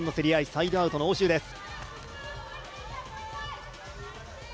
サイドアウトの応酬です。